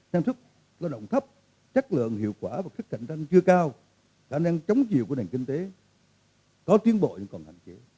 sản xuất lo động thấp chất lượng hiệu quả và khách sạn tranh chưa cao khả năng chống chiều của nền kinh tế có tuyên bội còn hạn chế